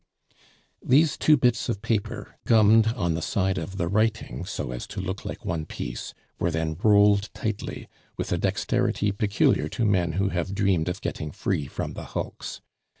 These two bits of paper, gummed on the side of the writing so as to look like one piece, were then rolled tightly, with a dexterity peculiar to men who have dreamed of getting free from the hulks.